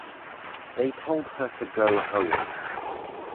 They told her to go home.